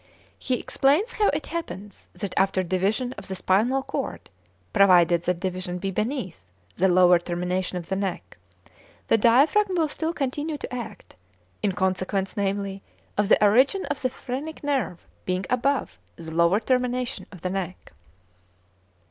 He explains how it happens that after division of the spinal cord, provided that division be beneath the lower termination of the neck, the diaphragm will still continue to act in consequence, namely, of the origin of the phrenic nerve being above the lower termination of the neck.